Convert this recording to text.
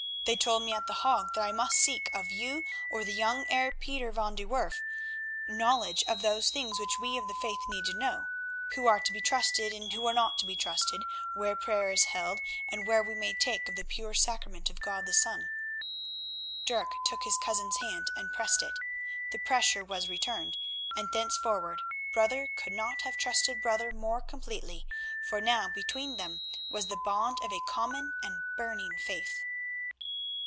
They told me at The Hague that I must seek of you or the young Heer Pieter van de Werff, knowledge of those things which we of the Faith need to know; who are to be trusted, and who are not to be trusted; where prayer is held, and where we may partake of the pure Sacrament of God the Son." Dirk took his cousin's hand and pressed it. The pressure was returned, and thenceforward brother could not have trusted brother more completely, for now between them was the bond of a common and burning faith.